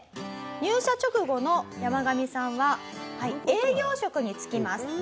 入社直後のヤマガミさんは営業職につきます。